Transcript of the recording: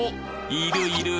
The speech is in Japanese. いるいるぅ